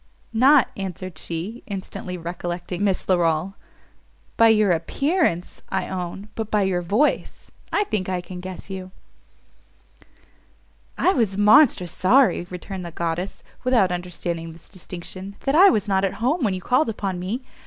"Not," answered she, instantly recollecting Miss Larolles, "by your appearance, I own! but by your voice, I think I can guess you." "I was monstrous sorry," returned the goddess, without understanding this distinction, "that I was not at home when you called upon me.